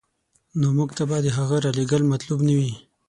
نو موږ ته به د هغه رالېږل مطلوب نه وي.